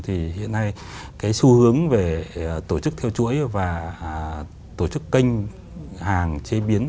thì hiện nay cái xu hướng về tổ chức theo chuỗi và tổ chức kênh hàng chế biến